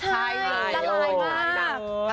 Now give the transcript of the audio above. สายตาคือแบบใช่น้ำไหลมาก